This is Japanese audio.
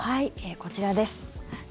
こちらです。